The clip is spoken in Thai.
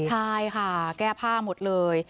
ใช่ค่ะแก้ผ้าหมดเลย